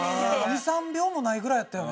２３秒もないぐらいやったよね。